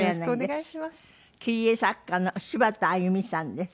切り絵作家の柴田あゆみさんです。